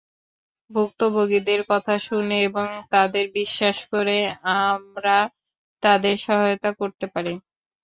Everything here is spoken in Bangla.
ভুক্তভোগীদের কথা শুনে এবং তাদের বিশ্বাস করে আমরা তাদের সহায়তা করতে পারি।